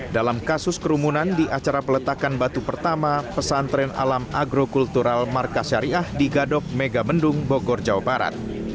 dalam kasus kerumunan di acara peletakan batu pertama pesantren alam agrokultural markas syariah di gadok megamendung bogor jawa barat